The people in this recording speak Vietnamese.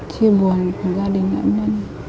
chia buồn của gia đình nạn nhân